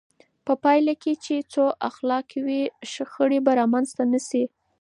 په پایله کې چې ښو اخلاق وي، شخړې به رامنځته نه شي.